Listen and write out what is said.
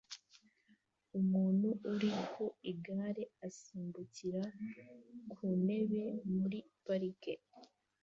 Umuntu uri ku igare asimbukira ku ntebe muri parike